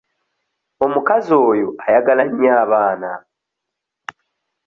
Omukazi oyo ayagala nnyo abaana.